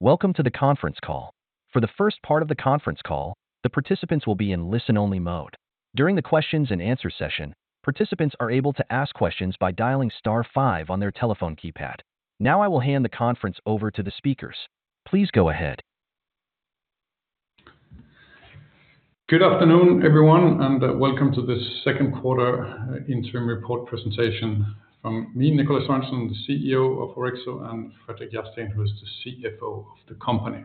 Welcome to the conference call. For the first part of the conference call, the participants will be in listen-only mode. During the question-and-answer session, participants are able to ask questions by dialing star five on their telephone keypad. Now I will hand the conference over to the speakers. Please go ahead. Good afternoon, everyone, and welcome to this second quarter interim report presentation from me, Nikolaj Sørensen, the CEO of Orexo, and Fredrik Järrsten, who is the CFO of the company.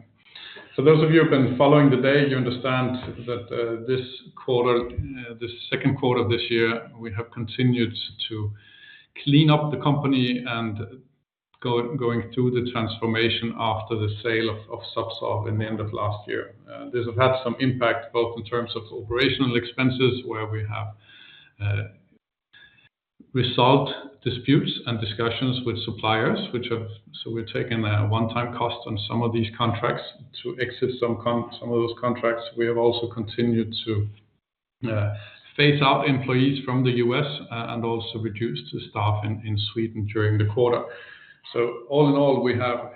For those of you who have been following the day, you understand that this second quarter of this year, we have continued to clean up the company and going through the transformation after the sale of Zubsolv in the end of last year. This has had some impact, both in terms of operational expenses, where we have resolved disputes and discussions with suppliers, which have taken a one-time cost on some of these contracts to exit some of those contracts. We have also continued to phase out employees from the U.S., and also reduced staff in Sweden during the quarter. All in all,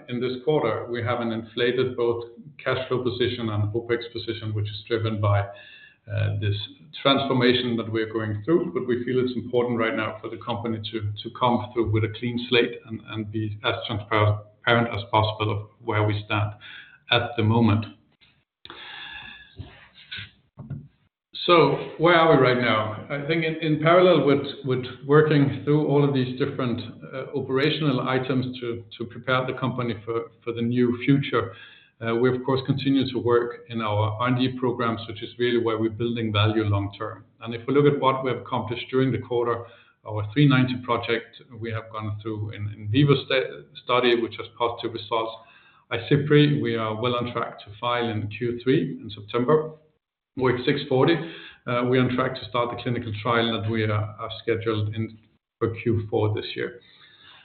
in this quarter, we have an inflated both cash flow position and OpEx position, which is driven by this transformation that we are going through. We feel it's important right now for the company to come through with a clean slate and be as transparent as possible of where we stand at the moment. Where are we right now? I think in parallel with working through all of these different operational items to prepare the company for the new future, we, of course, continue to work in our R&D programs, which is really where we're building value long-term. If we look at what we have accomplished during the quarter, our OX390 project, we have gone through an in vivo study, which has positive results. Izipry, we are well on track to file in Q3 in September. OX640, we're on track to start the clinical trial that we have scheduled in for Q4 this year.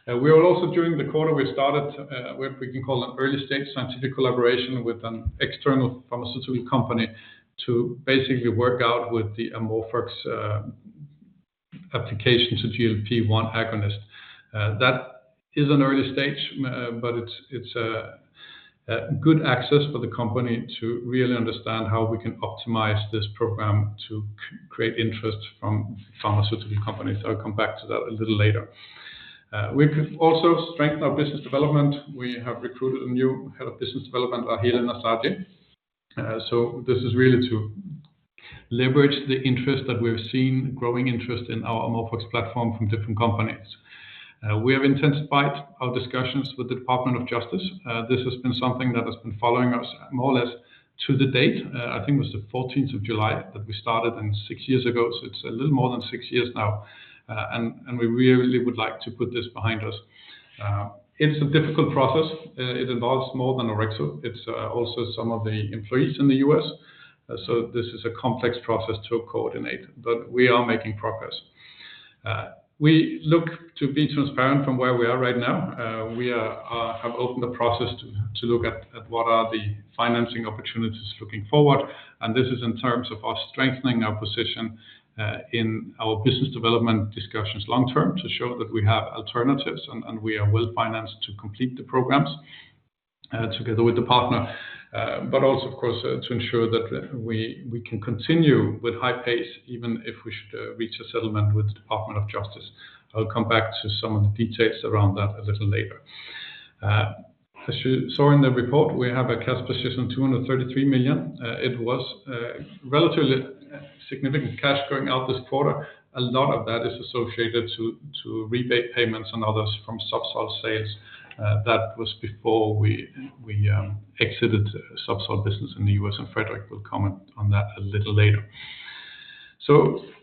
We are also, during the quarter, we started what we can call an early-stage scientific collaboration with an external pharmaceutical company to basically work out with the AmorphOX application to GLP-1 agonist. That is an early stage, but it's a good access for the company to really understand how we can optimize this program to create interest from pharmaceutical companies. I'll come back to that a little later. We've also strengthened our business development. We have recruited a new Head of Business Development, Raheleh Nassaji. This is really to leverage the interest that we've seen, growing interest in our AmorphOX platform from different companies. We have intensified our discussions with the U.S. Department of Justice. This has been something that has been following us more or less to the date. I think it was July 14th that we started and six years ago. It's a little more than six years now. We really would like to put this behind us. It's a difficult process. It involves more than Orexo. It's also some of the employees in the U.S. This is a complex process to coordinate, but we are making progress. We look to be transparent from where we are right now. We have opened the process to look at what are the financing opportunities looking forward, and this is in terms of us strengthening our position in our business development discussions long-term to show that we have alternatives, and we are well-financed to complete the programs together with the partner. Also, of course, to ensure that we can continue with high pace, even if we should reach a settlement with the Department of Justice. I'll come back to some of the details around that a little later. As you saw in the report, we have a cash position, 233 million. It was relatively significant cash going out this quarter. A lot of that is associated to rebate payments and others from Zubsolv sales. That was before we exited Zubsolv business in the U.S., and Fredrik will comment on that a little later. A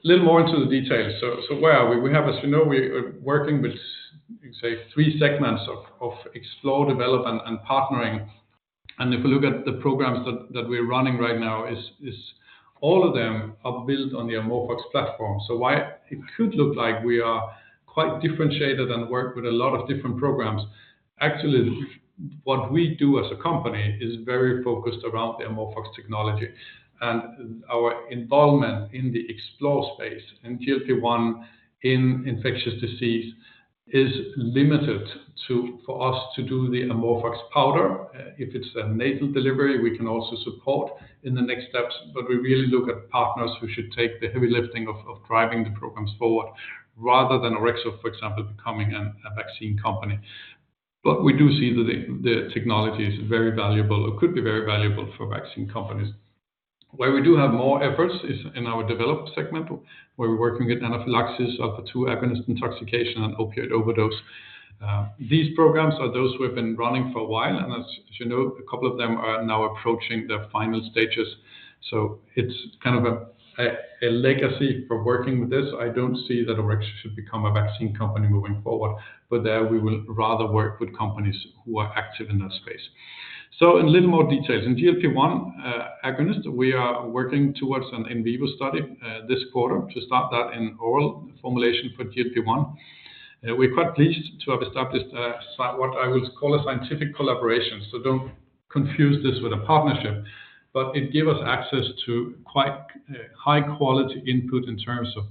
little more into the details. Where are we? As you know, we are working with, say, three segments of explore, develop, and partnering. If you look at the programs that we're running right now is all of them are built on the AmorphOX platform. While it could look like we are quite differentiated and work with a lot of different programs, actually, what we do as a company is very focused around the AmorphOX technology. Our involvement in the explore space in GLP-1 in infectious disease is limited for us to do the AmorphOX powder. If it's a nasal delivery, we can also support in the next steps. We really look at partners who should take the heavy lifting of driving the programs forward rather than Orexo, for example, becoming a vaccine company. We do see that the technology is very valuable, or could be very valuable for vaccine companies. Where we do have more efforts is in our Develop segment, where we're working at anaphylaxis, alpha-2 agonist intoxication, and opioid overdose. These programs are those who have been running for a while, and as you know, a couple of them are now approaching their final stages. It's kind of a legacy for working with this. I don't see that Orexo should become a vaccine company moving forward, but there we will rather work with companies who are active in that space. In a little more detail. In GLP-1 agonist, we are working towards an in vivo study this quarter to start that in oral formulation for GLP-1. We're quite pleased to have established what I would call a scientific collaboration. Don't confuse this with a partnership, but it gave us access to quite high-quality input in terms of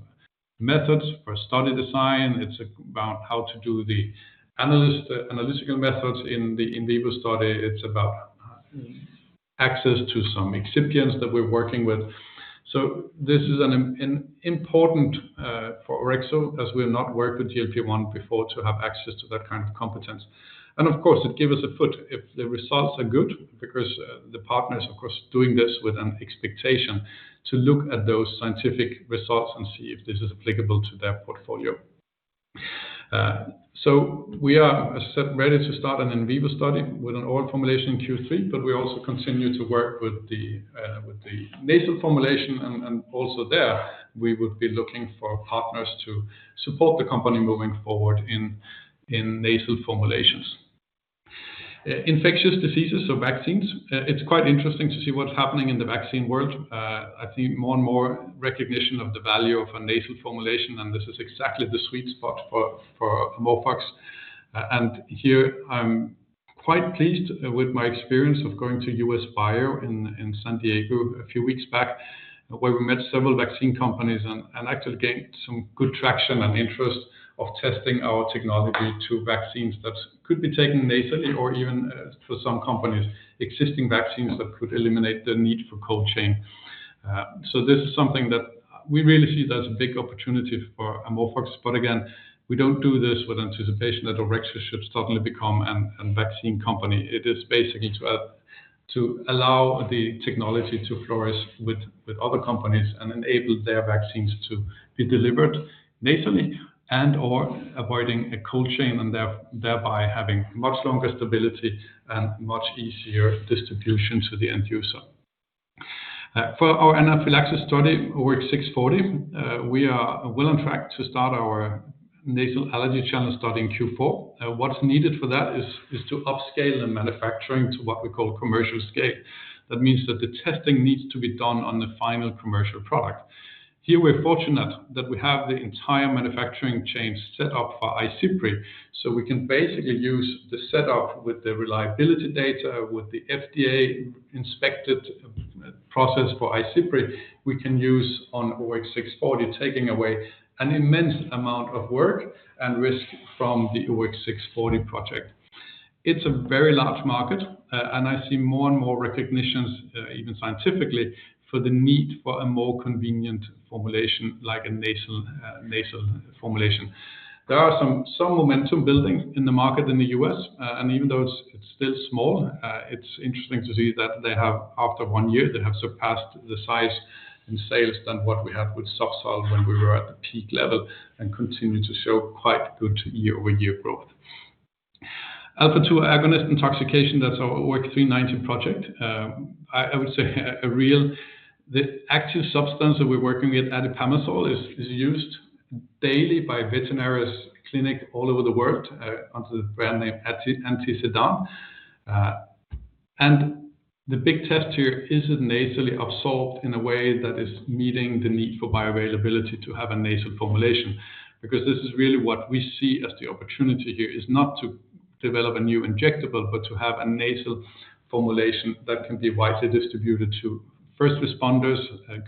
methods for study design. It's about how to do the analytical methods in the in vivo study. It's about access to some excipients that we're working with. This is important for Orexo, as we have not worked with GLP-1 before, to have access to that kind of competence. Of course, it gives us a foot if the results are good because the partner is, of course, doing this with an expectation to look at those scientific results and see if this is applicable to their portfolio. We are, as I said, ready to start an in vivo study with an oral formulation in Q3, but we also continue to work with the nasal formulation, and also there, we would be looking for partners to support the company moving forward in nasal formulations. Infectious diseases or vaccines, it's quite interesting to see what's happening in the vaccine world. I see more and more recognition of the value of a nasal formulation, and this is exactly the sweet spot for AmorphOX. Here I'm quite pleased with my experience of going to U.S. BIO in San Diego a few weeks back, where we met several vaccine companies and actually gained some good traction and interest of testing our technology to vaccines that could be taken nasally or even for some companies, existing vaccines that could eliminate the need for cold chain. This is something that we really see as a big opportunity for AmorphOX. Again, we don't do this with anticipation that Orexo should suddenly become a vaccine company. It is basically to allow the technology to flourish with other companies and enable their vaccines to be delivered nasally and/or avoiding a cold chain and thereby having much longer stability and much easier distribution to the end user. For our anaphylaxis study, OX640, we are well on track to start our nasal allergy challenge study in Q4. What's needed for that is to upscale the manufacturing to what we call commercial scale. That means that the testing needs to be done on the final commercial product. Here, we're fortunate that we have the entire manufacturing chain set up for Izipry. We can basically use the setup with the reliability data, with the FDA-inspected process for Izipry, we can use on OX640, taking away an immense amount of work and risk from the OX640 project. It's a very large market. I see more and more recognitions, even scientifically, for the need for a more convenient formulation like a nasal formulation. There are some momentum building in the market in the U.S., even though it's still small, it's interesting to see that they have, after one year, they have surpassed the size in sales than what we have with Zubsolv when we were at the peak level and continue to show quite good year-over-year growth. alpha-2 agonist intoxication, that's our OX390 project. The active substance that we're working with, atipamezole, is used daily by veterinarian clinics all over the world under the brand name Antisedan. The big test here, is it nasally absorbed in a way that is meeting the need for bioavailability to have a nasal formulation? This is really what we see as the opportunity here, is not to develop a new injectable, but to have a nasal formulation that can be widely distributed to first responders,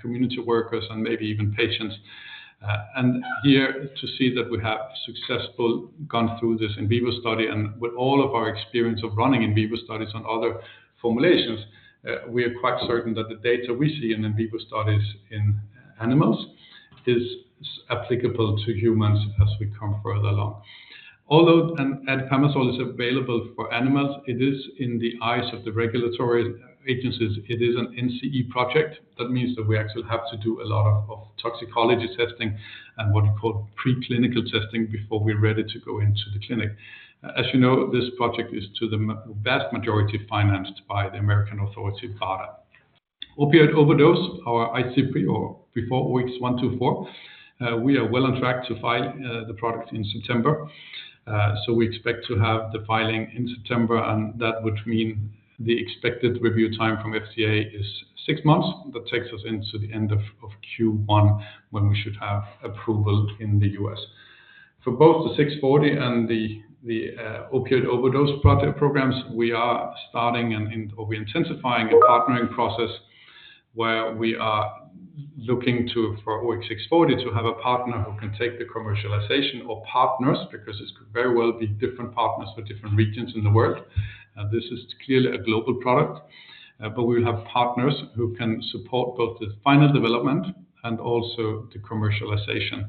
community workers, and maybe even patients. Here to see that we have successfully gone through this in vivo study and with all of our experience of running in vivo studies on other formulations, we are quite certain that the data we see in in vivo studies in animals is applicable to humans as we come further along. Although an atipamezole is available for animals, it is in the eyes of the regulatory agencies, it is an NCE project. That means that we actually have to do a lot of toxicology testing and what you call preclinical testing before we're ready to go into the clinic. As you know, this project is to the vast majority financed by the American authority, BARDA. Opioid overdose, our Izipry, or before OX124. We are well on track to file the product in September. We expect to have the filing in September, and that would mean the expected review time from FDA is six months. That takes us into the end of Q1, when we should have approval in the U.S. For both the OX640 and the opioid overdose project programs, we are starting or we're intensifying a partnering process where we are looking to, for OX640, to have a partner who can take the commercialization or partners, because this could very well be different partners for different regions in the world. This is clearly a global product. We will have partners who can support both the final development and also the commercialization.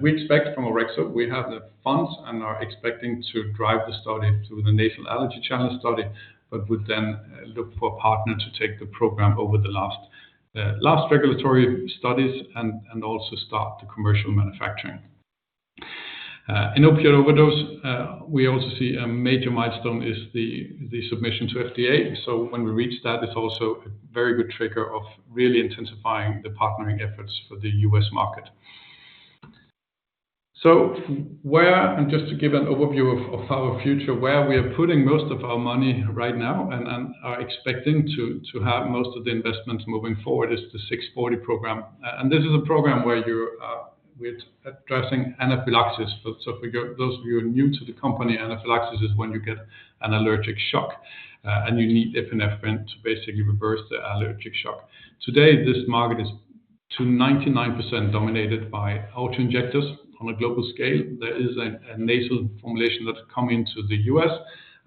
We expect from Orexo, we have the funds and are expecting to drive the study through the nasal allergy challenge study, would then look for a partner to take the program over the last regulatory studies and also start the commercial manufacturing. In opioid overdose, we also see a major milestone is the submission to FDA. When we reach that, it's also a very good trigger of really intensifying the partnering efforts for the U.S. market. Where, and just to give an overview of our future, where we are putting most of our money right now and are expecting to have most of the investments moving forward is the OX640 program. This is a program where we're addressing anaphylaxis. For those of you who are new to the company, anaphylaxis is when you get an allergic shock, and you need epinephrine to basically reverse the allergic shock. Today, this market is 99% dominated by auto-injectors on a global scale. There is a nasal formulation that's come into the U.S.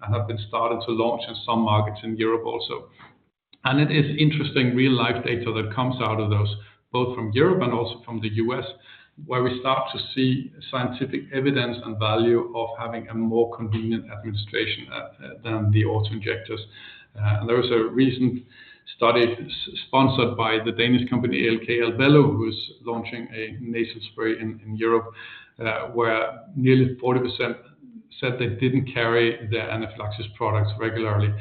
and have been started to launch in some markets in Europe also. It is interesting real-life data that comes out of those, both from Europe and also from the U.S., where we start to see scientific evidence and value of having a more convenient administration than the auto-injectors. There was a recent study sponsored by the Danish company, ALK-Abelló, who's launching a nasal spray in Europe, where nearly 40% said they didn't carry their anaphylaxis products regularly,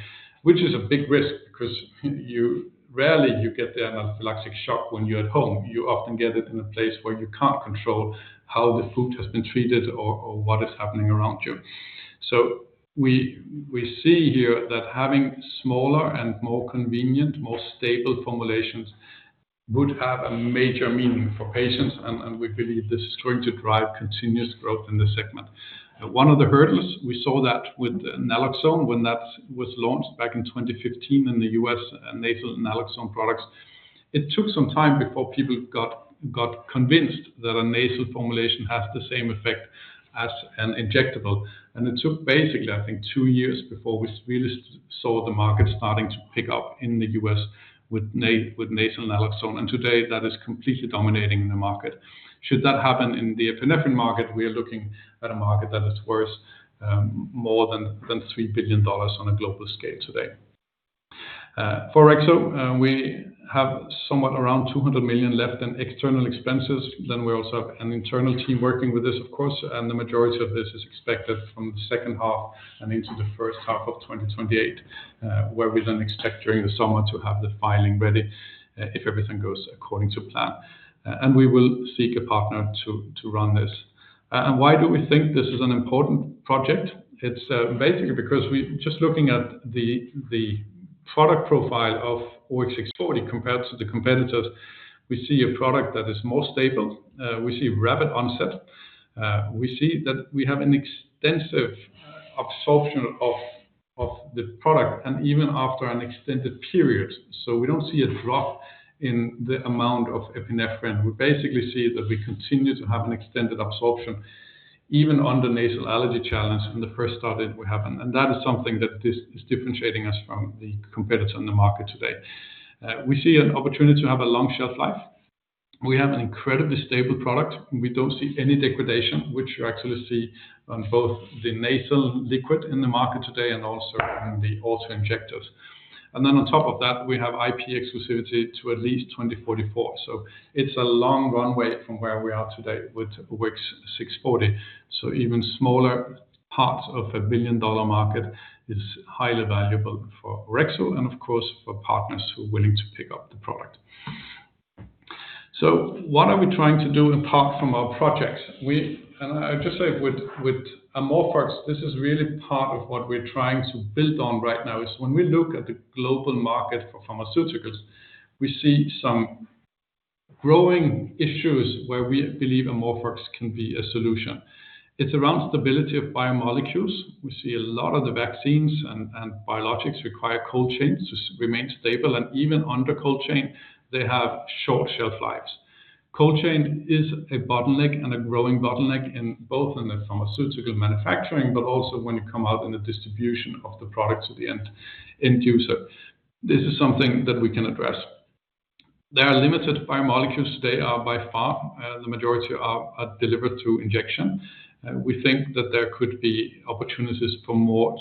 which is a big risk because rarely you get the anaphylactic shock when you're at home. You often get it in a place where you can't control how the food has been treated or what is happening around you. We see here that having smaller and more convenient, more stable formulations would have a major meaning for patients, and we believe this is going to drive continuous growth in this segment. One of the hurdles, we saw that with naloxone when that was launched back in 2015 in the U.S., nasal naloxone products. It took some time before people got convinced that a nasal formulation has the same effect as an injectable. It took basically, I think, two years before we really saw the market starting to pick up in the U.S. with nasal naloxone, today that is completely dominating the market. Should that happen in the epinephrine market, we are looking at a market that is worth more than $3 billion on a global scale today. For Orexo, we have somewhat around 200 million left in external expenses, we also have an internal team working with this, of course, and the majority of this is expected from the second half and into the first half of 2028, where we expect during the summer to have the filing ready, if everything goes according to plan. We will seek a partner to run this. Why do we think this is an important project? It's basically because just looking at the product profile of OX640 compared to the competitors, we see a product that is more stable, we see rapid onset. We see that we have an extensive absorption of the product, even after an extended period. We don't see a drop in the amount of epinephrine. We basically see that we continue to have an extended absorption, even under nasal allergy challenge from the first study we have. That is something that is differentiating us from the competitor in the market today. We see an opportunity to have a long shelf life. We have an incredibly stable product, we don't see any degradation, which you actually see on both the nasal liquid in the market today and also on the auto-injectors. On top of that, we have IP exclusivity to at least 2044. It's a long runway from where we are today with OX640. Even smaller parts of a billion-dollar market is highly valuable for Orexo and, of course, for partners who are willing to pick up the product. What are we trying to do apart from our projects? I'll just say with AmorphOX, this is really part of what we're trying to build on right now, is when we look at the global market for pharmaceuticals, we see some growing issues where we believe AmorphOX can be a solution. It's around stability of biomolecules. We see a lot of the vaccines and biologics require cold chains to remain stable, and even under cold chain, they have short shelf lives. Cold chain is a bottleneck and a growing bottleneck both in the pharmaceutical manufacturing, when you come out in the distribution of the product to the end user. This is something that we can address. There are limited biomolecules today are by far, the majority are delivered through injection. We think that there could be opportunities for more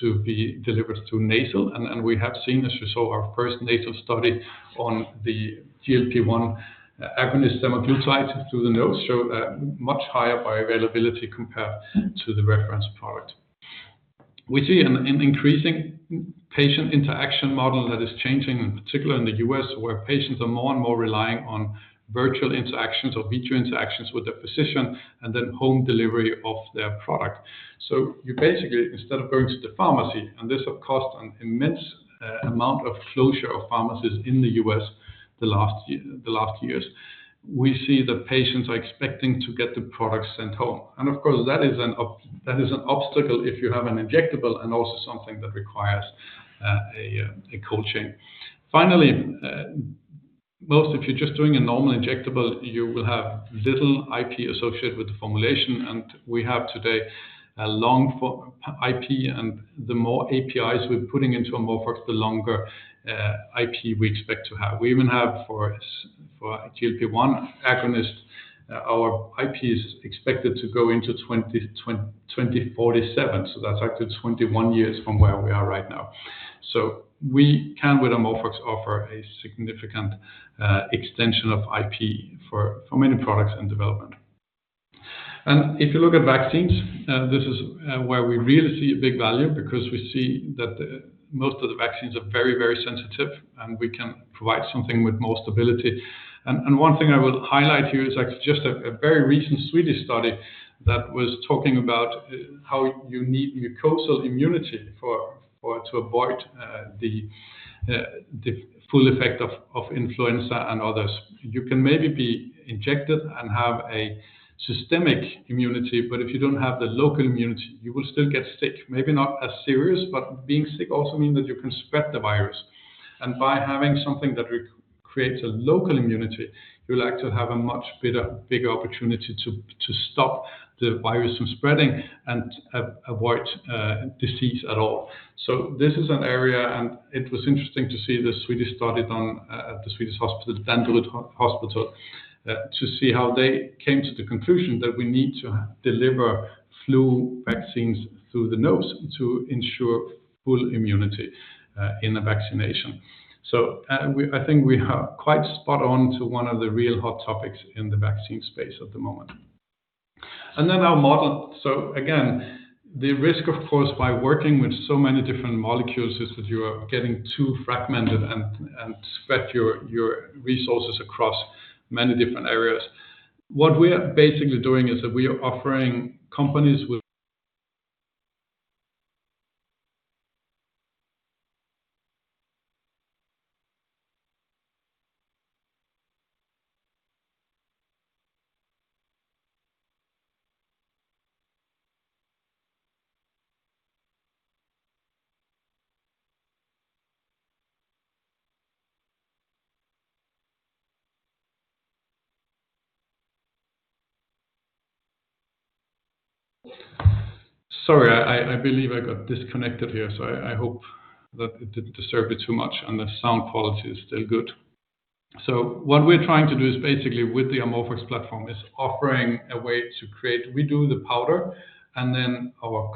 to be delivered through nasal, we have seen, as we saw our first nasal study on the GLP-1 agonist, semaglutide, through the nose, show a much higher bioavailability compared to the reference product. We see an increasing patient interaction model that is changing, in particular in the U.S., where patients are more and more relying on virtual interactions or video interactions with their physician, and then home delivery of their product. You basically, instead of going to the pharmacy, and this has cost an immense amount of closure of pharmacies in the U.S. the last years. We see that patients are expecting to get the product sent home. Of course, that is an obstacle if you have an injectable and also something that requires a cold chain. Finally, most, if you're just doing a normal injectable, you will have little IP associated with the formulation, we have today a long IP, and the more APIs we're putting into AmorphOX, the longer IP we expect to have. We even have for a GLP-1 agonist, our IP is expected to go into 2047. That's actually 21 years from where we are right now. We can, with AmorphOX, offer a significant extension of IP for many products in development. If you look at vaccines, this is where we really see a big value because we see that most of the vaccines are very sensitive, and we can provide something with more stability. One thing I would highlight here is actually just a very recent Swedish study that was talking about how you need mucosal immunity to avoid the full effect of influenza and others. You can maybe be injected and have a systemic immunity, if you don't have the local immunity, you will still get sick. Maybe not as serious, but being sick also means that you can spread the virus. By having something that creates a local immunity, you will actually have a much bigger opportunity to stop the virus from spreading and avoid disease at all. This is an area, and it was interesting to see the Swedish study done at the Swedish hospital, Danderyd Hospital, to see how they came to the conclusion that we need to deliver flu vaccines through the nose to ensure full immunity in a vaccination. I think we are quite spot on to one of the real hot topics in the vaccine space at the moment. Then our model. Again, the risk, of course, by working with so many different molecules is that you are getting too fragmented and spread your resources across many different areas. What we are basically doing is that we are offering companies with, sorry, I believe I got disconnected here, I hope that it didn't disturb it too much and the sound quality is still good. What we're trying to do is basically with the AmorphOX platform is offering a way to create. We do the powder, then our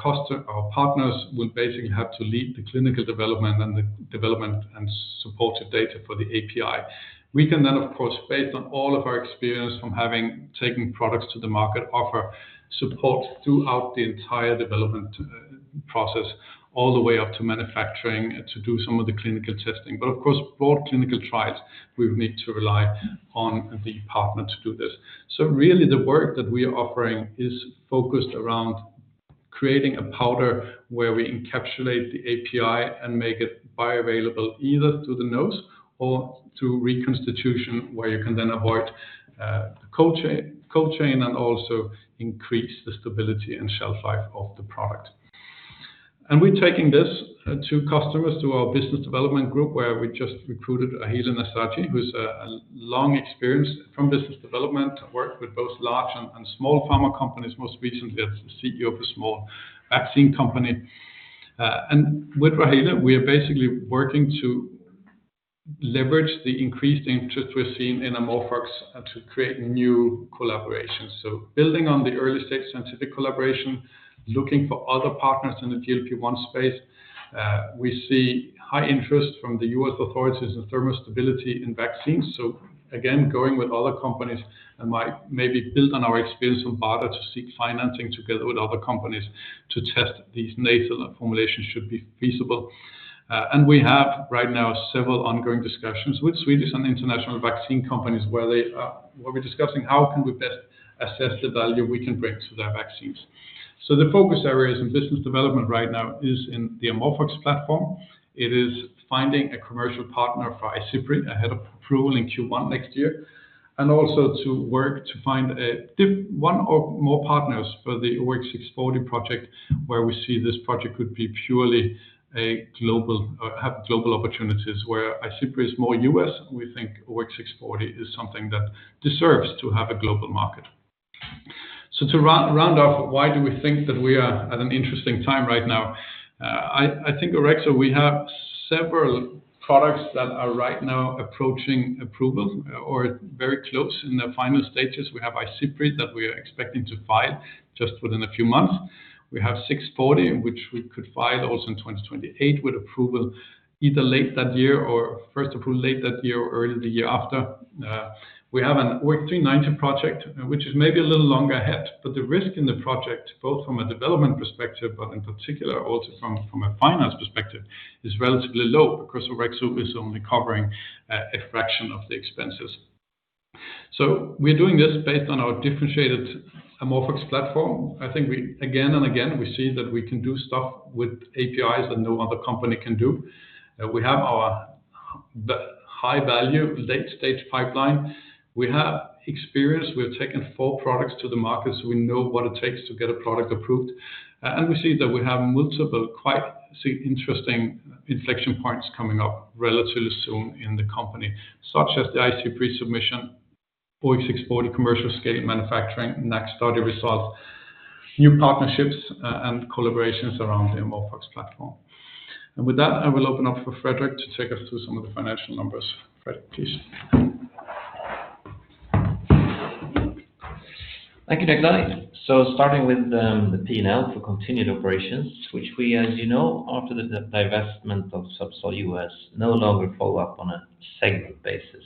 partners will basically have to lead the clinical development and the development and supportive data for the API. We can then, of course, based on all of our experience from having taken products to the market, offer support throughout the entire development process, all the way up to manufacturing and to do some of the clinical testing. Of course, for clinical trials, we would need to rely on the partner to do this. Really the work that we are offering is focused around creating a powder where we encapsulate the API and make it bioavailable either through the nose or through reconstitution, where you can then avoid cold chain and also increase the stability and shelf life of the product. We're taking this to customers, to our business development group, where we just recruited Raheleh Nassaji, who is long experienced from business development, have worked with both large and small pharma companies, most recently as the CEO of a small vaccine company. With Raheleh, we are basically working to leverage the increased interest we're seeing in AmorphOX to create new collaborations. Building on the early-stage scientific collaboration, looking for other partners in the GLP-1 space. We see high interest from the U.S. authorities in thermostability in vaccines. Again, going with other companies and maybe build on our experience with BARDA to seek financing together with other companies to test these nasal formulations should be feasible. We have right now several ongoing discussions with Swedish and international vaccine companies where we're discussing how can we best assess the value we can bring to their vaccines. The focus areas in business development right now is in the AmorphOX platform. It is finding a commercial partner for Izipry ahead of approval in Q1 next year, and also to work to find one or more partners for the OX640 project, where we see this project could have global opportunities. Where Izipry is more U.S., we think OX640 is something that deserves to have a global market. To round off why do we think that we are at an interesting time right now? I think at Orexo we have several products that are right now approaching approval or very close in their final stages. We have Izipry that we are expecting to file just within a few months. We have OX640, which we could file also in 2028 with approval either late that year or first approved late that year or early the year after. We have an OX390 project, which is maybe a little longer ahead, but the risk in the project, both from a development perspective but in particular also from a finance perspective, is relatively low because Orexo is only covering a fraction of the expenses. We're doing this based on our differentiated AmorphOX platform. I think again and again, we see that we can do stuff with APIs that no other company can do. We have our high-value late-stage pipeline. We have experience. We have taken four products to the market, we know what it takes to get a product approved. We see that we have multiple quite interesting inflection points coming up relatively soon in the company, such as the Izipry submission, OX640 commercial scale manufacturing, next study results, new partnerships and collaborations around the AmorphOX platform. With that, I will open up for Fredrik to take us through some of the financial numbers. Fredrik, please. Thank you, Nikolaj. Starting with the P&L for continued operations, which we, as you know, after the divestment of Zubsolv U.S., no longer follow up on a segment basis.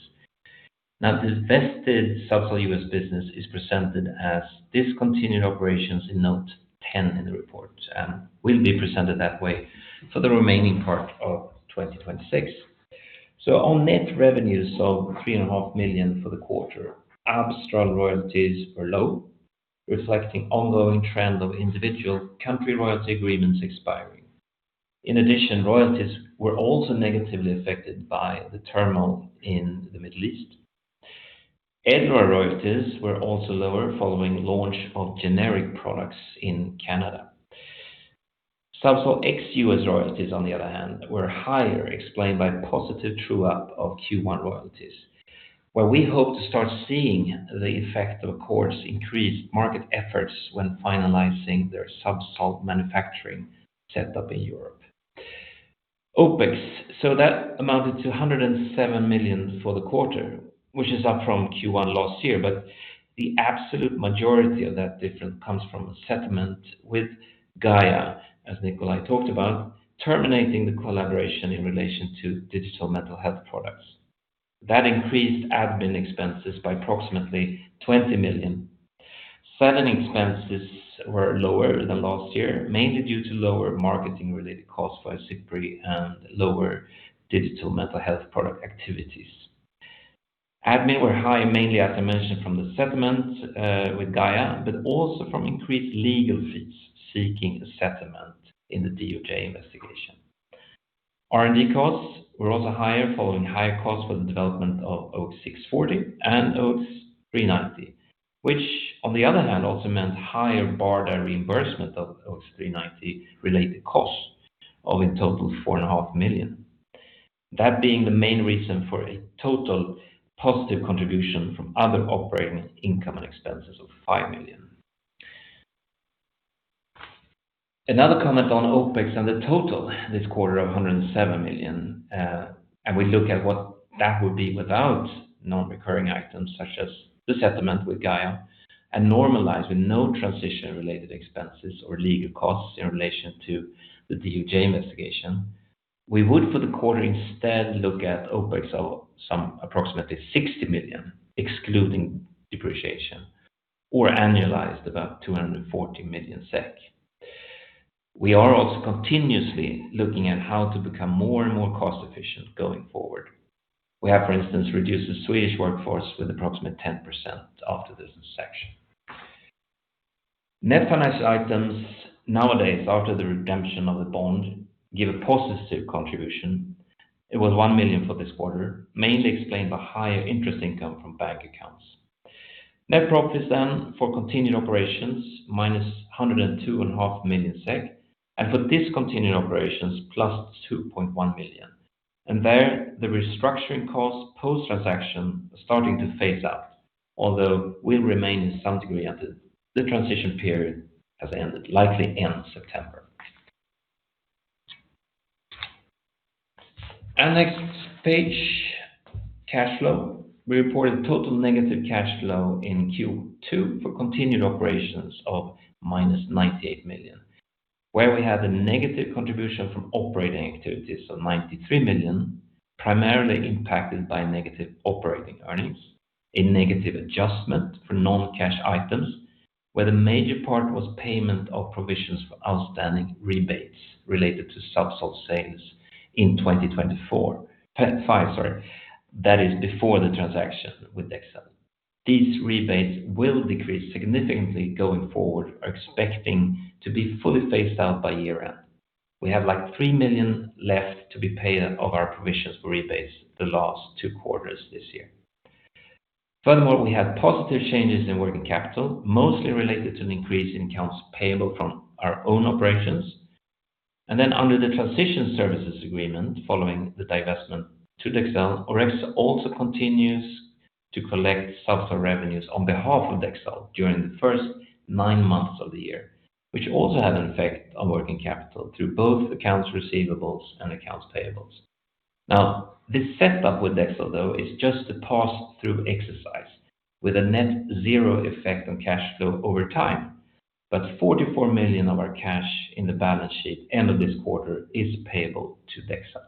The divested Zubsolv U.S. business is presented as discontinued operations in Note 10 in the report and will be presented that way for the remaining part of 2026. On net revenues of 3.5 million for the quarter, Abstral global royalties were low, reflecting ongoing trend of individual country royalty agreements expiring. In addition, royalties were also negatively affected by the turmoil in the Middle East. Edluar royalties were also lower following launch of generic products in Canada. Zubsolv ex-U.S. royalties, on the other hand, were higher explained by positive true-up of Q1 royalties, where we hope to start seeing the effect of Accord's increased market efforts when finalizing their Zubsolv manufacturing setup in Europe. OpEx. That amounted to 107 million for the quarter, which is up from Q1 last year, but the absolute majority of that difference comes from a settlement with GAIA, as Nikolaj talked about, terminating the collaboration in relation to digital mental health products. That increased admin expenses by approximately 20 million. Selling expenses were lower than last year, mainly due to lower marketing related costs by Izipry and lower digital mental health product activities. Admin were high mainly, as I mentioned, from the settlement with GAIA, but also from increased legal fees seeking a settlement in the DOJ investigation. R&D costs were also higher following higher costs for the development of OX640 and OX390, which on the other hand also meant higher BARDA reimbursement of OX390 related costs of in total 4.5 million. That being the main reason for a total positive contribution from other operating income and expenses of 5 million. Another comment on OpEx and the total this quarter of 107 million. We look at what that would be without non-recurring items such as the settlement with GAIA and normalized with no transition related expenses or legal costs in relation to the DOJ investigation. We would, for the quarter instead look at OpEx of some approximately 60 million excluding depreciation or annualized about 240 million SEK. We are also continuously looking at how to become more and more cost efficient going forward. We have, for instance, reduced the Swedish workforce with approximate 10% after this transaction. Net finance items nowadays after the redemption of the bond give a positive contribution. It was 1 million for this quarter, mainly explained by higher interest income from bank accounts. Net profits for continued operations, -102.5 million SEK and for discontinued operations +2.1 million. There the restructuring costs post-transaction are starting to phase out, although will remain in some degree until the transition period has ended, likely end September. Next page, cash flow. We reported total negative cash flow in Q2 for continued operations of -98 million, where we had a negative contribution from operating activities of 93 million, primarily impacted by negative operating earnings, a negative adjustment for non-cash items where the major part was payment of provisions for outstanding rebates related to Zubsolv sales in 2025, sorry. That is before the transaction with Dexcel. These rebates will decrease significantly going forward, are expecting to be fully phased out by year end. We have 3 million left to be paid of our provisions for rebates the last two quarters this year. Furthermore, we had positive changes in working capital, mostly related to an increase in accounts payable from our own operations. Under the transition services agreement following the divestment to Dexcel, Orexo also continues to collect Zubsolv revenues on behalf of Dexcel during the first nine months of the year, which also had an effect on working capital through both accounts receivables and accounts payables. This setup with Dexcel, though, is just a pass through exercise with a net zero effect on cash flow over time. 44 million of our cash in the balance sheet end of this quarter is payable to Dexcel.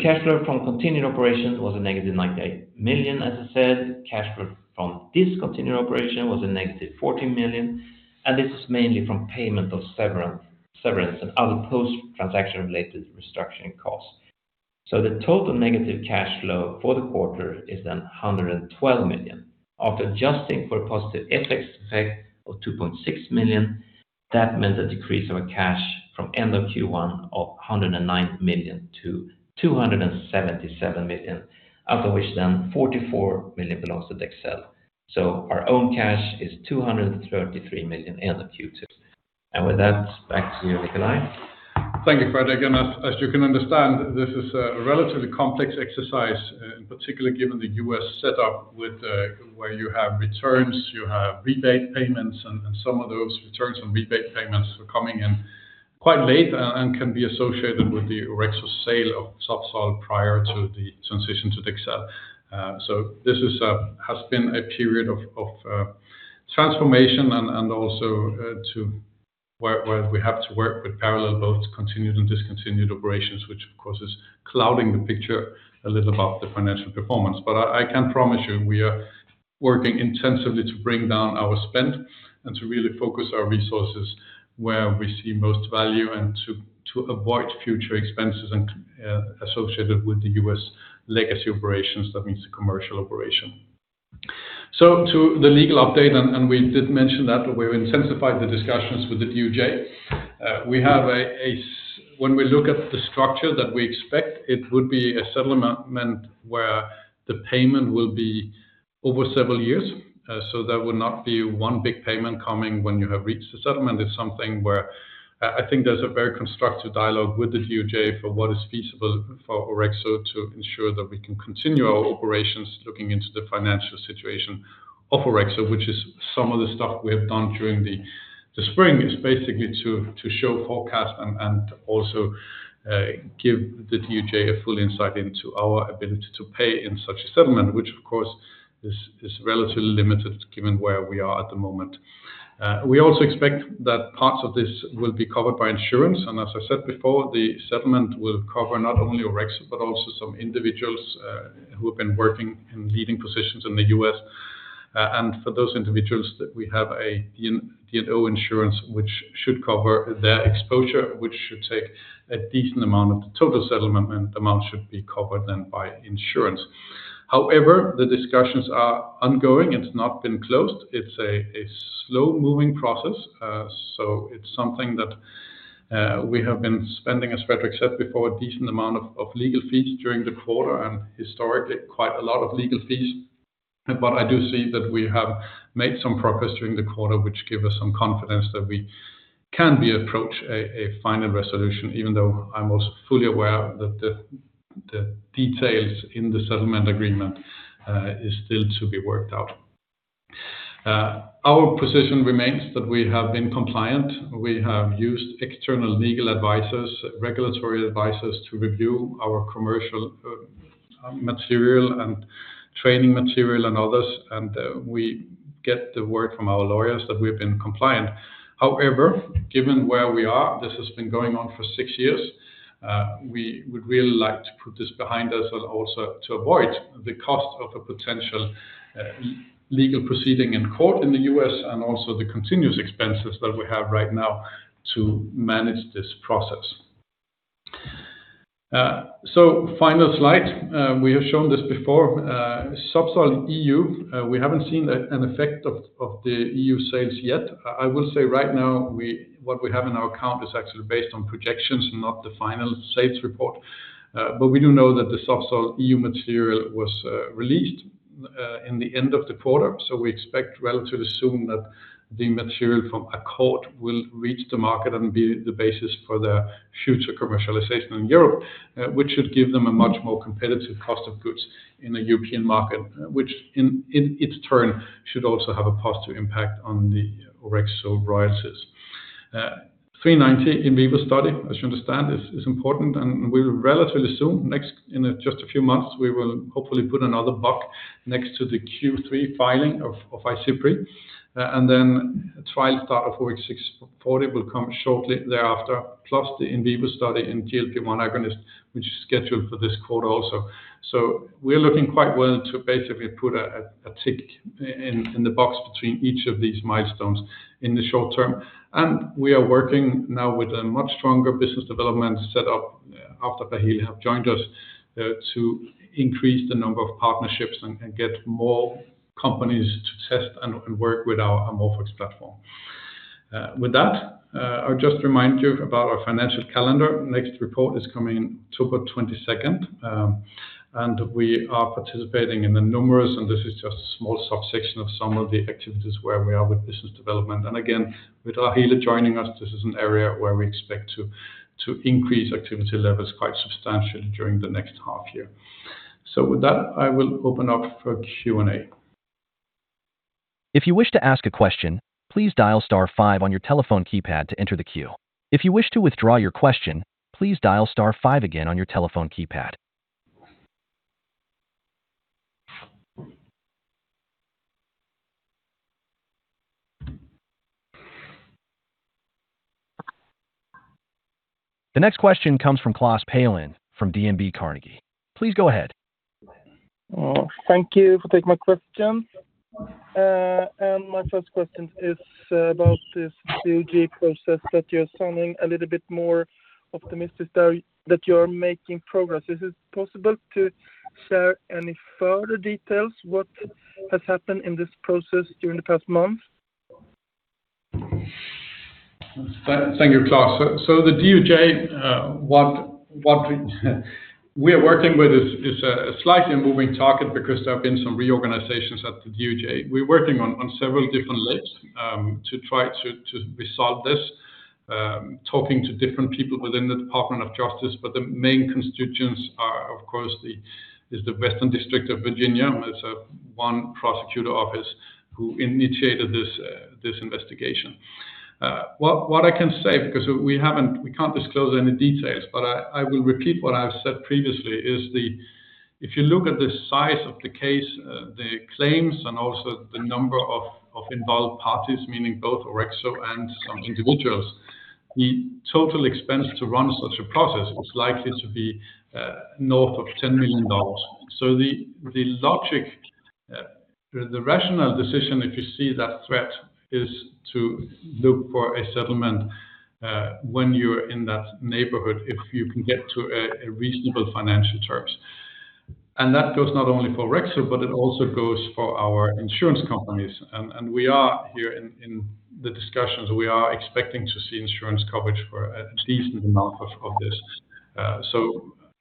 Cash flow from continued operations was a -98 million as I said. Cash flow from discontinued operation was a -14 million, and this is mainly from payment of severance and other post-transaction related restructuring costs. The total negative cash flow for the quarter is then 112 million. After adjusting for a positive FX effect of 2.6 million, that meant a decrease of a cash from end of Q1 of 109 million to 277 million, of which then 44 million belongs to Dexcel. Our own cash is 233 million end of Q2. With that, back to you, Nikolaj. Thank you, Fredrik. As you can understand, this is a relatively complex exercise in particular given the U.S. setup where you have returns, you have rebate payments, and some of those returns and rebate payments are coming in quite late and can be associated with the Orexo sale of Zubsolv prior to the transition to Dexcel. This has been a period of transformation and also where we have to work with parallel both continued and discontinued operations, which of course is clouding the picture a little about the financial performance. I can promise you we are working intensively to bring down our spend and to really focus our resources where we see most value and to avoid future expenses associated with the U.S. legacy operations. That means the commercial operation. To the legal update, we did mention that we've intensified the discussions with the DOJ. When we look at the structure that we expect, it would be a settlement where the payment will be over several years. There would not be one big payment coming when you have reached the settlement. It's something where I think there's a very constructive dialogue with the DOJ for what is feasible for Orexo to ensure that we can continue our operations, looking into the financial situation of Orexo. Which is some of the stuff we have done during the spring, is basically to show forecast and to also give the DOJ a full insight into our ability to pay in such a settlement, which, of course, is relatively limited given where we are at the moment. We also expect that parts of this will be covered by insurance. As I said before, the settlement will cover not only Orexo, but also some individuals who have been working in leading positions in the U.S. For those individuals, we have a D&O insurance, which should cover their exposure, which should take a decent amount of the total settlement amount should be covered then by insurance. However, the discussions are ongoing. It's not been closed. It's a slow-moving process. It's something that we have been spending, as Fredrik said before, a decent amount of legal fees during the quarter, and historically, quite a lot of legal fees. I do see that we have made some progress during the quarter, which give us some confidence that we can approach a final resolution, even though I'm also fully aware that the details in the settlement agreement is still to be worked out. Our position remains that we have been compliant. We have used external legal advisors, regulatory advisors, to review our commercial material and training material and others, and we get the word from our lawyers that we've been compliant. However, given where we are, this has been going on for six years, we would really like to put this behind us and also to avoid the cost of a potential legal proceeding in court in the U.S. and also the continuous expenses that we have right now to manage this process. Final slide, we have shown this before. Zubsolv EU, we haven't seen an effect of the EU sales yet. I will say right now, what we have in our account is actually based on projections, not the final sales report. We do know that the Zubsolv EU material was released in the end of the quarter. We expect relatively soon that the material from Accord will reach the market and be the basis for the future commercialization in Europe, which should give them a much more competitive cost of goods in the European market, which in its turn should also have a positive impact on the Orexo royalties. OX390 in vivo study, as you understand, is important, and we will relatively soon, in just a few months, we will hopefully put another buck next to the Q3 filing of Izipry, and then trial start of OX640 will come shortly thereafter, plus the in vivo study in GLP-1 agonist, which is scheduled for this quarter also. We're looking quite well to basically put a tick in the box between each of these milestones in the short term. We are working now with a much stronger business development set up after Raheleh have joined us to increase the number of partnerships and get more companies to test and work with our AmorphOX platform. With that, I'll just remind you about our financial calendar. Next report is coming October 22nd, we are participating in the numerous, this is just a small subsection of some of the activities where we are with business development. Again, with Raheleh joining us, this is an area where we expect to increase activity levels quite substantially during the next half year. With that, I will open up for Q&A. If you wish to ask a question, please dial star five on your telephone keypad to enter the queue. If you wish to withdraw your question, please dial star five again on your telephone keypad. The next question comes from Klas Palin from DNB Carnegie. Please go ahead. Thank you for taking my question. My first question is about this DOJ process that you're sounding a little bit more optimistic that you're making progress. Is it possible to share any further details what has happened in this process during the past month? Thank you, Klas. The DOJ, what we are working with is a slightly moving target because there have been some reorganizations at the DOJ. We're working on several different lists to try to resolve this, talking to different people within the Department of Justice. The main constituents are, of course, is the Western District of Virginia. It's one prosecutor office who initiated this investigation. What I can say, because we can't disclose any details, I will repeat what I've said previously, is if you look at the size of the case, the claims, and also the number of involved parties, meaning both Orexo and some individuals, the total expense to run such a process is likely to be north of $10 million. The logic, the rational decision if you see that threat, is to look for a settlement when you're in that neighborhood, if you can get to reasonable financial terms. That goes not only for Orexo, but it also goes for our insurance companies. We are here in the discussions, we are expecting to see insurance coverage for a decent amount of this.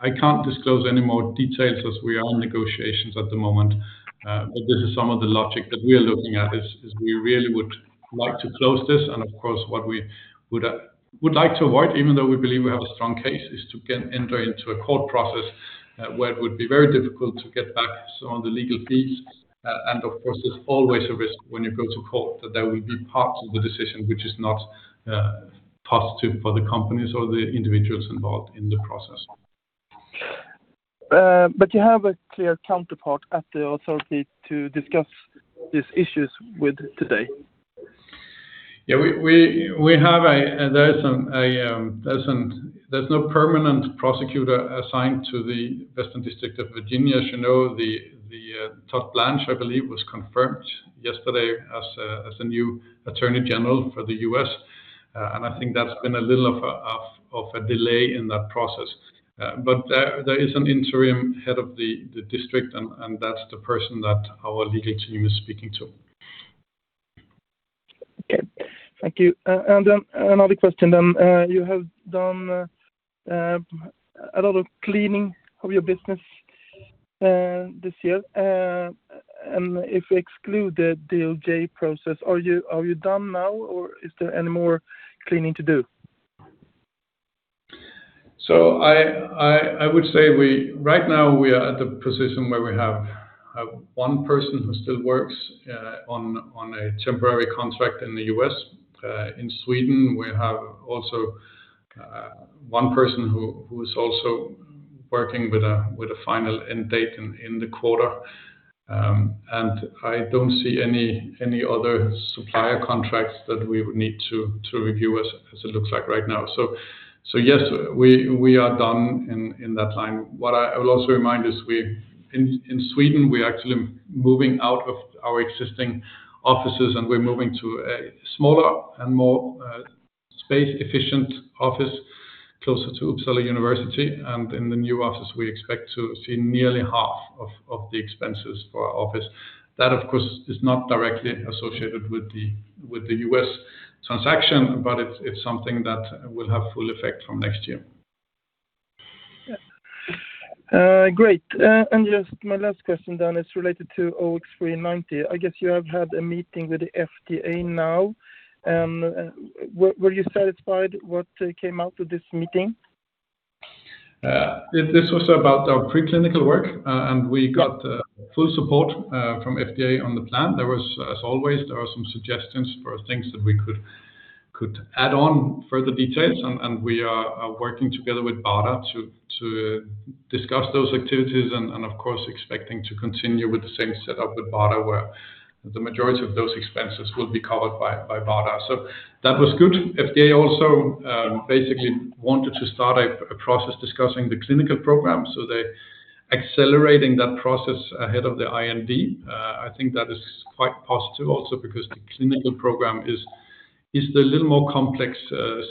I can't disclose any more details as we are in negotiations at the moment, but this is some of the logic that we are looking at is we really would like to close this. Of course, what we would like to avoid, even though we believe we have a strong case, is to enter into a court process where it would be very difficult to get back some of the legal fees. Of course, there's always a risk when you go to court that there will be parts of the decision which is not positive for the companies or the individuals involved in the process. You have a clear counterpart at the authority to discuss these issues with today? There's no permanent prosecutor assigned to the Western District of Virginia. You know, Todd Blanche, I believe, was confirmed yesterday as the new Attorney General for the U.S. I think that's been a little of a delay in that process. There is an interim head of the district. That's the person that our legal team is speaking to. Okay, thank you. Another question, you have done a lot of cleaning of your business this year, and if we exclude the DOJ process, are you done now, or is there any more cleaning to do? I would say right now we are at the position where we have one person who still works on a temporary contract in the U.S. In Sweden, we have also one person who's also working with a final end date in the quarter. I don't see any other supplier contracts that we would need to review as it looks like right now. Yes, we are done in that line. What I will also remind is in Sweden, we are actually moving out of our existing offices, and we're moving to a smaller and more space-efficient office closer to Uppsala University. In the new office, we expect to see nearly half of the expenses for our office. That, of course, is not directly associated with the U.S. transaction, but it's something that will have full effect from next year. Great. Just my last question is related to OX390. I guess you have had a meeting with the FDA now. Were you satisfied what came out of this meeting? This was about our preclinical work, and we got full support from FDA on the plan. There was, as always, there are some suggestions for things that we could add on further details, and we are working together with BARDA to discuss those activities and of course, expecting to continue with the same setup with BARDA where the majority of those expenses will be covered by BARDA. That was good. FDA also basically wanted to start a process discussing the clinical program, so they're accelerating that process ahead of the IND. I think that is quite positive also because the clinical program is the little more complex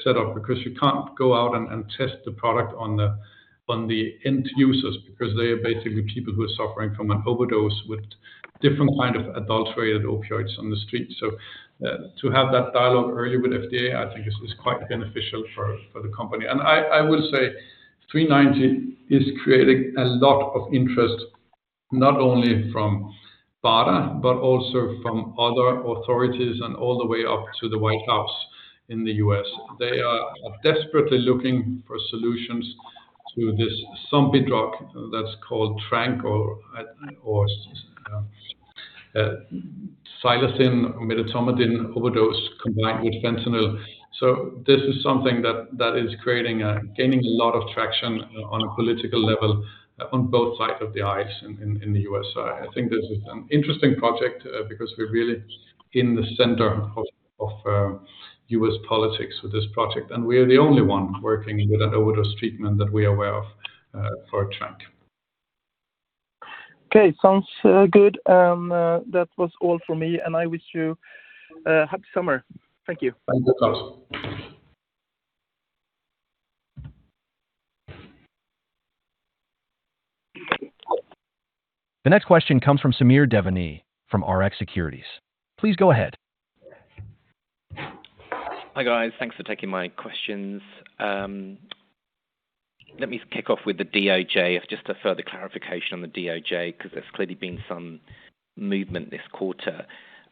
setup because you can't go out and test the product on the end users because they are basically people who are suffering from an overdose with different kind of adulterated opioids on the street. To have that dialogue early with FDA, I think is quite beneficial for the company. I would say 390 is creating a lot of interest, not only from BARDA but also from other authorities and all the way up to the White House in the U.S. They are desperately looking for solutions to this zombie drug that's called tranq or xylazine-ketamine overdose combined with fentanyl. This is something that is gaining a lot of traction on a political level on both sides of the aisle in the U.S. I think this is an interesting project because we're really in the center of U.S. politics with this project, and we are the only one working with an overdose treatment that we are aware of for tranq. Okay, sounds good. That was all for me, and I wish you a happy summer. Thank you. Likewise. The next question comes from Samir Devani from Rx Securities. Please go ahead. Hi, guys. Thanks for taking my questions. Let me kick off with the DOJ as just a further clarification on the DOJ. There's clearly been some movement this quarter.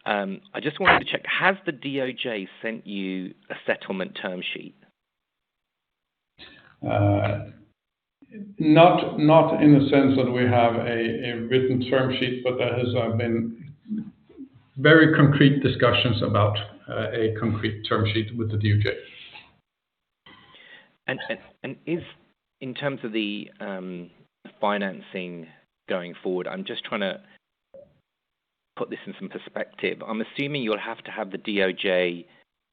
I just wanted to check, has the DOJ sent you a settlement term sheet? Not in the sense that we have a written term sheet. There has been very concrete discussions about a concrete term sheet with the DOJ. In terms of the financing going forward, I'm just trying to put this in some perspective. I'm assuming you'll have to have the DOJ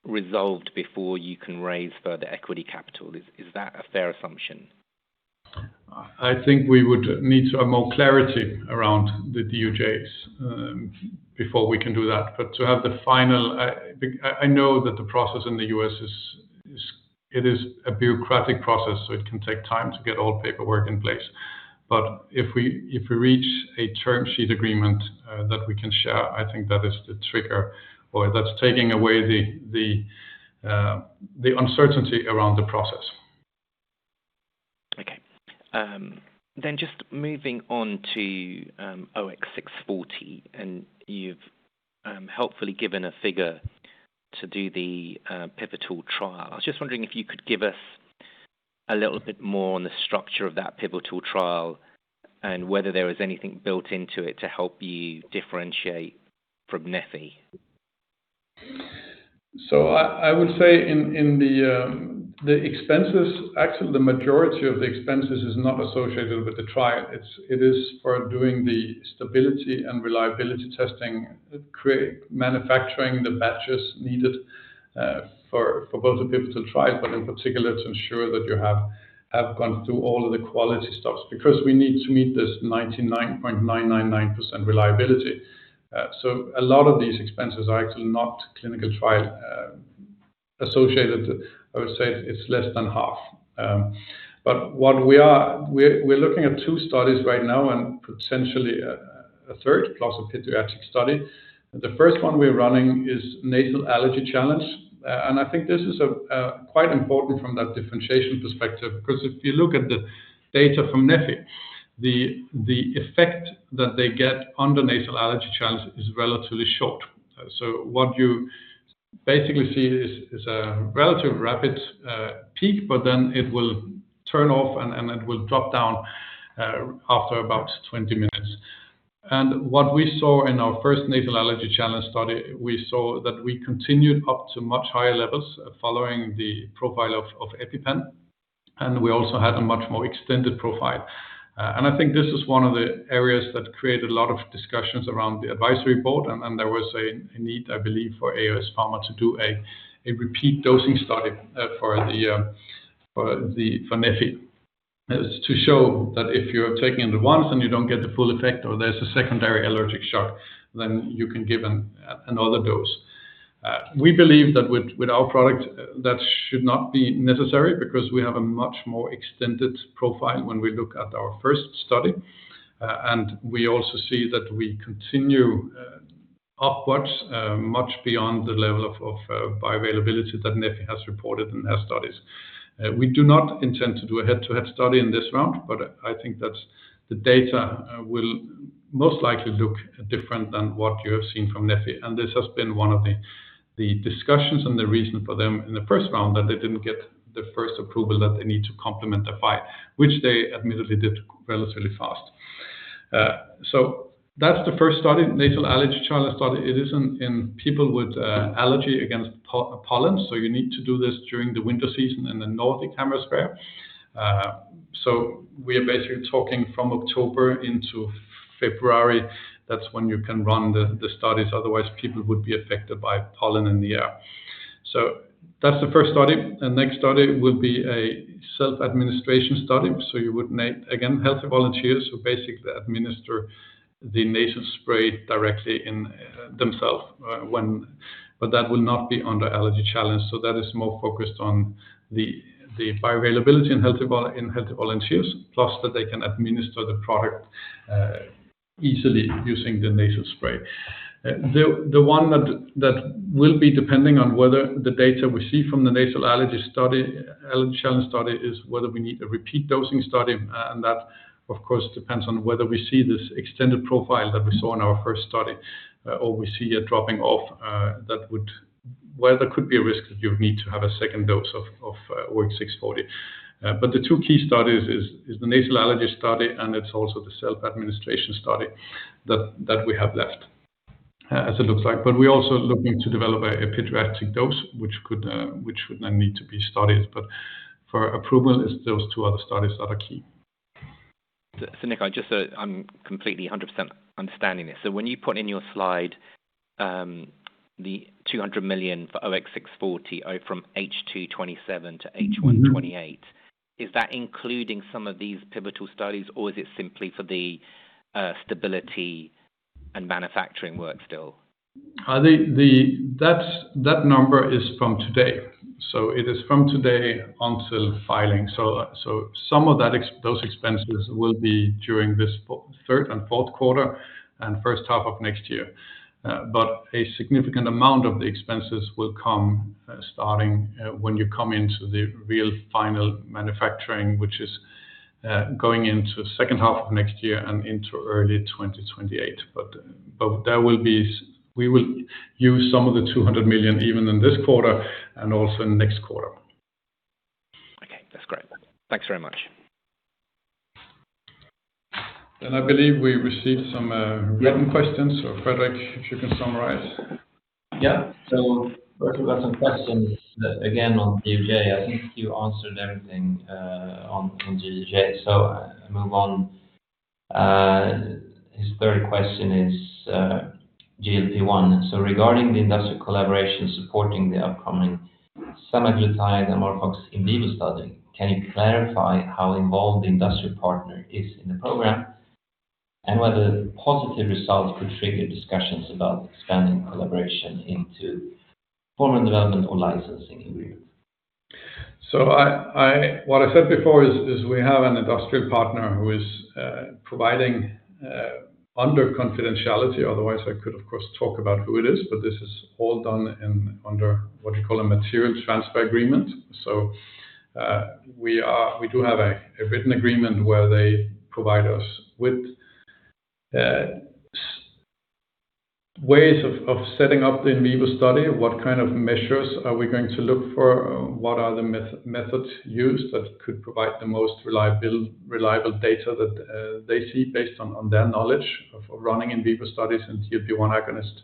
resolved before you can raise further equity capital. Is that a fair assumption? I think we would need more clarity around the DOJ before we can do that. To have the final, I know that the process in the U.S. is a bureaucratic process. It can take time to get all paperwork in place. If we reach a term sheet agreement that we can share, I think that is the trigger or that's taking away the uncertainty around the process. Okay. Just moving on to OX640, and you've helpfully given a figure to do the pivotal trial. I was just wondering if you could give us a little bit more on the structure of that pivotal trial and whether there is anything built into it to help you differentiate from neffy? I would say in the expenses, actually the majority of the expenses is not associated with the trial. It is for doing the stability and reliability testing, manufacturing the batches needed for both the pivotal trial, but in particular to ensure that you have gone through all of the quality stuff because we need to meet this 99.999% reliability. A lot of these expenses are actually not clinical trial associated. I would say it's less than half. We're looking at two studies right now and potentially a third, plus a pediatric study. The first one we're running is nasal allergy challenge. I think this is quite important from that differentiation perspective, because if you look at the data from neffy, the effect that they get on the nasal allergy challenge is relatively short. What you basically see is a relatively rapid peak, but then it will turn off and it will drop down after about 20 minutes. What we saw in our first nasal allergy challenge study, we saw that we continued up to much higher levels following the profile of EpiPen, and we also had a much more extended profile. I think this is one of the areas that created a lot of discussions around the advisory board, and there was a need, I believe, for ARS Pharma to do a repeat dosing study for neffy to show that if you're taking it once and you don't get the full effect or there's a secondary allergic shock, then you can give another dose. We believe that with our product, that should not be necessary because we have a much more extended profile when we look at our first study. We also see that we continue upwards much beyond the level of bioavailability that neffy has reported in their studies. We do not intend to do a head-to-head study in this round, but I think that the data will most likely look different than what you have seen from neffy. This has been one of the discussions and the reason for them in the first round that they didn't get the first approval that they need to complement their file, which they admittedly did relatively fast. That's the first study, nasal allergy challenge study. It is in people with allergy against pollen, so you need to do this during the winter season in the Northern Hemisphere. We are basically talking from October into February. That's when you can run the studies, otherwise people would be affected by pollen in the air. That's the first study. The next study will be a self-administration study. You would need, again, healthy volunteers who basically administer the nasal spray directly themselves. That will not be under allergy challenge, so that is more focused on the bioavailability in healthy volunteers, plus that they can administer the product easily using the nasal spray. The one that will be depending on whether the data we see from the nasal allergy challenge study is whether we need a repeat dosing study, and that of course depends on whether we see this extended profile that we saw in our first study or we see a dropping off where there could be a risk that you would need to have a second dose of OX640. The two key studies is the nasal allergy study, and it is also the self-administration study that we have left, as it looks like. We are also looking to develop a pediatric dose, which would then need to be studied. For approval, it is those two other studies that are key. Nik, I am completely 100% understanding this. When you put in your slide the 200 million for OX640 from H2 2027 to H1 2028, is that including some of these pivotal studies or is it simply for the stability and manufacturing work still? That number is from today. It is from today until filing. Some of those expenses will be during this third and fourth quarter and first half of next year. A significant amount of the expenses will come starting when you come into the real final manufacturing, which is going into second half of next year and into early 2028. We will use some of the 200 million even in this quarter and also next quarter. Okay, that's great. Thanks very much. I believe we received some written questions. Fredrik, if you can summarize. First we got some questions again on DOJ. I think you answered everything on DOJ, so I move on. His third question is GLP-1. Regarding the industrial collaboration supporting the upcoming semaglutide, AmorphOX in vivo study, can you clarify how involved the industrial partner is in the program, and whether the positive results could trigger discussions about expanding collaboration into formula development or licensing in Europe? What I said before is we have an industrial partner who is providing under confidentiality. Otherwise, I could, of course, talk about who it is, but this is all done under what you call a material transfer agreement. We do have a written agreement where they provide us with ways of setting up the in vivo study. What kind of measures are we going to look for? What are the methods used that could provide the most reliable data that they see based on their knowledge of running in vivo studies and GLP-1 agonist?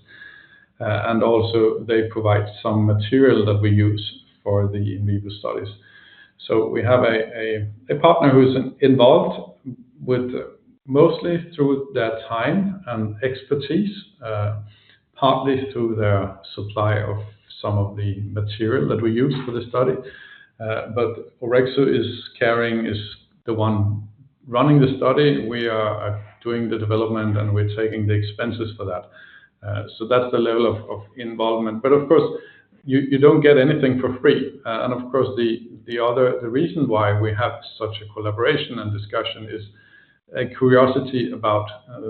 They provide some material that we use for the in vivo studies. We have a partner who's involved mostly through their time and expertise, partly through their supply of some of the material that we use for the study. Orexo is the one running the study. We are doing the development, and we're taking the expenses for that. That's the level of involvement. Of course, you don't get anything for free. Of course, the reason why we have such a collaboration and discussion is a curiosity about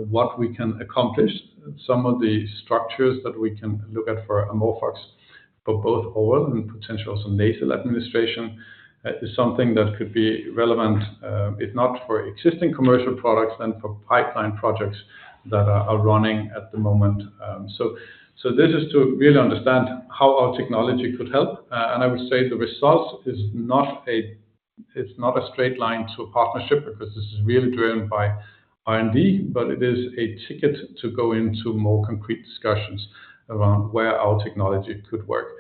what we can accomplish. Some of the structures that we can look at for AmorphOX for both oral and potential nasal administration is something that could be relevant, if not for existing commercial products, then for pipeline projects that are running at the moment. This is to really understand how our technology could help. I would say the result is not a straight line to a partnership, because this is really driven by R&D, but it is a ticket to go into more concrete discussions around where our technology could work.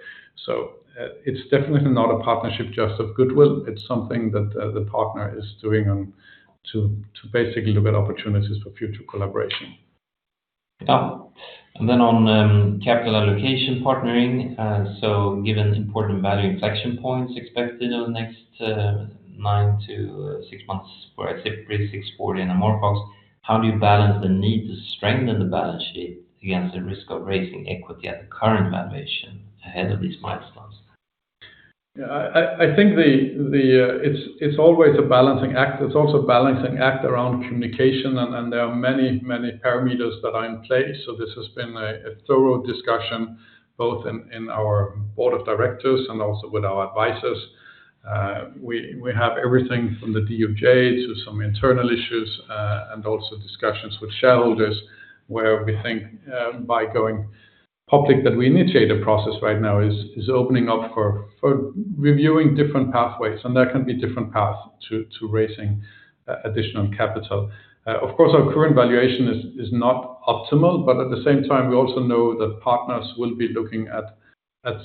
It's definitely not a partnership just of goodwill, it's something that the partner is doing to basically look at opportunities for future collaboration. Then on capital allocation partnering, given important value inflection points expected over the next nine to six months for Izipry, OX640, and AmorphOX, how do you balance the need to strengthen the balance sheet against the risk of raising equity at the current valuation ahead of these milestones? I think it's always a balancing act. It's also a balancing act around communication, there are many parameters that are in place. This has been a thorough discussion both in our board of directors and also with our advisors. We have everything from the DOJ to some internal issues, also discussions with shareholders where we think by going public that we initiate a process right now is opening up for reviewing different pathways, there can be different paths to raising additional capital. Our current valuation is not optimal, at the same time, we also know that partners will be looking at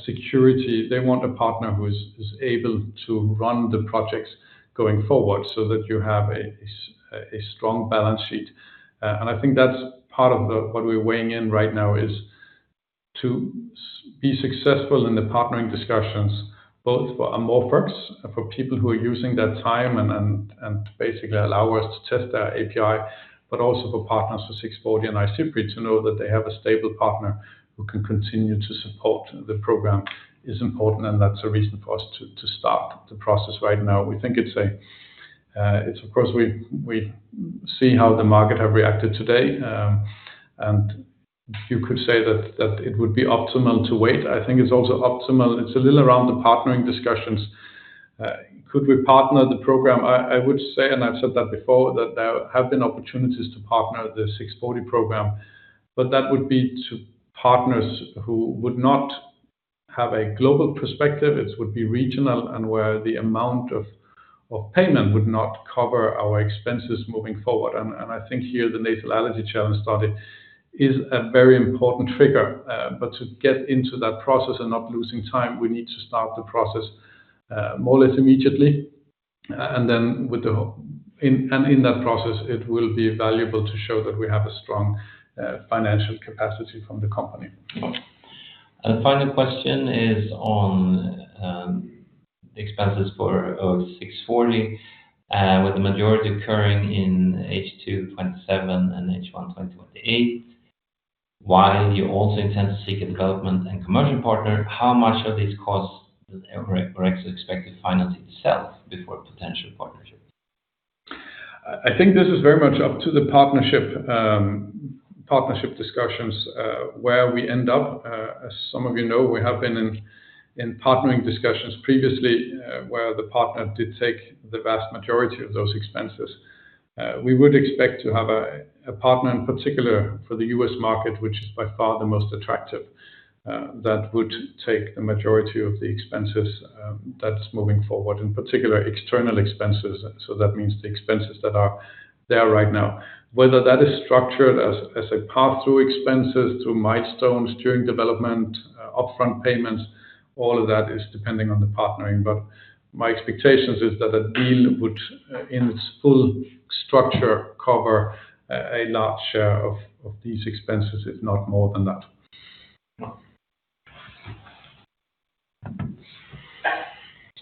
security. They want a partner who is able to run the projects going forward that you have a strong balance sheet. I think that's part of what we're weighing in right now is to be successful in the partnering discussions, both for AmorphOX, for people who are using their time and basically allow us to test their API, but also for partners for OX640 and Izipry to know that they have a stable partner who can continue to support the program is important, and that's a reason for us to start the process right now. Of course, we see how the market have reacted today, and you could say that it would be optimal to wait. I think it's also optimal. It's a little around the partnering discussions. Could we partner the program? I would say, and I've said that before, that there have been opportunities to partner the OX640 program, but that would be to partners who would not have a global perspective. It would be regional and where the amount of payment would not cover our expenses moving forward. I think here the nasal allergy challenge study is a very important trigger. To get into that process and not losing time, we need to start the process more or less immediately. In that process, it will be valuable to show that we have a strong financial capacity from the company. The final question is on expenses for OX640. With the majority occurring in H2 2027 and H1 2028, while you also intend to seek a development and commercial partner, how much of these costs are Orexo expected to finance itself before a potential partnership? I think this is very much up to the partnership discussions, where we end up. As some of you know, we have been in partnering discussions previously, where the partner did take the vast majority of those expenses. We would expect to have a partner, in particular for the U.S. market, which is by far the most attractive, that would take the majority of the expenses that's moving forward, in particular, external expenses. That means the expenses that are there right now. Whether that is structured as a pass-through expenses through milestones during development, upfront payments, all of that is depending on the partnering. My expectations is that a deal would, in its full structure, cover a large share of these expenses, if not more than that.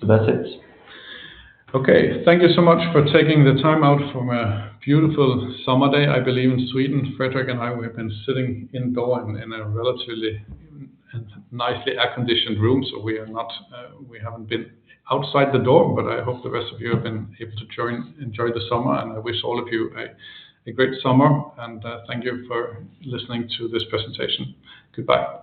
That's it. Thank you so much for taking the time out from a beautiful summer day, I believe, in Sweden. Fredrik and I, we have been sitting indoors in a relatively and nicely air-conditioned room, so we haven't been outside the door, but I hope the rest of you have been able to enjoy the summer. I wish all of you a great summer, and thank you for listening to this presentation. Goodbye.